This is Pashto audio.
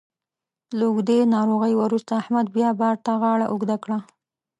له اوږدې ناروغۍ وروسته احمد بیا بار ته غاړه اوږده کړه.